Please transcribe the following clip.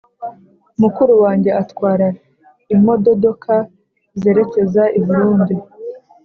Mukuru wanjye atwara imododoka zerekeza iburundi